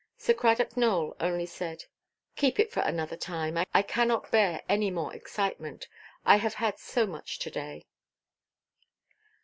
Sir Cradock Nowell only said, "Keep it for another time. I cannot bear any more excitement; I have had so much to–day."